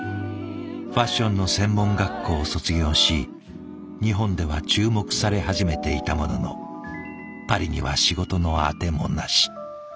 ファッションの専門学校を卒業し日本では注目され始めていたもののパリには仕事の当てもなし。